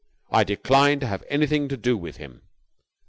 I decline to have anything to do with him!"